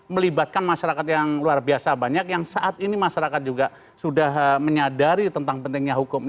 melibatkan masyarakat yang luar biasa banyak yang saat ini masyarakat juga sudah menyadari tentang pentingnya hukum